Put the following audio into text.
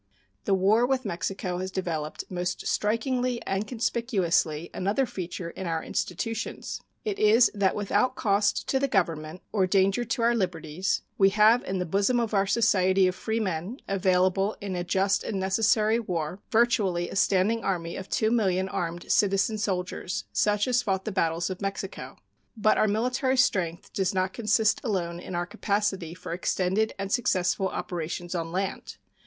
The war with Mexico has developed most strikingly and conspicuously another feature in our institutions. It is that without cost to the Government or danger to our liberties we have in the bosom of our society of freemen, available in a just and necessary war, virtually a standing army of 2,000,000 armed citizen soldiers, such as fought the battles of Mexico. But our military strength does not consist alone in our capacity for extended and successful operations on land.